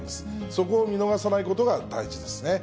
そこを見逃さないことが大事ですね。